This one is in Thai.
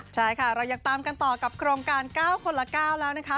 ใช่ค่ะเรายังตามกันต่อกับโครงการ๙คนละ๙แล้วนะคะ